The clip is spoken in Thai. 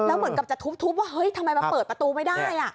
แล้วเหมือนกับจะทุบว่าเฮ้ยทำไมมาเปิดประตูไม่ได้